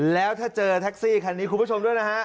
แล้วถ้าเจอแท็กซี่คันนี้คุณผู้ชมด้วยนะฮะ